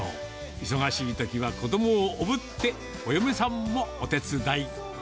忙しいときは、子どもをおぶってお嫁さんもお手伝い。